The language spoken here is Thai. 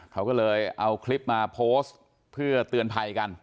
เขาก็เลยเอาคลิปมาโพสต์เพื่อเตือนภัยกัน